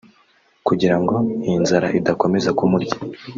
Kugira ngo iyi nzara idakomeza kumurya